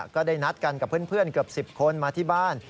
ก็ได้นัดกันกับเพื่อนเกือบ๑๐คนมาที่บ้าน